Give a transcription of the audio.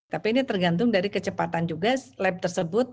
tapi ini tergantung dari kecepatan juga lab tersebut